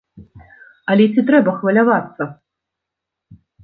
Але ці трэба хвалявацца?